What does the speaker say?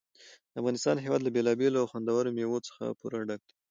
د افغانستان هېواد له بېلابېلو او خوندورو مېوو څخه پوره ډک دی.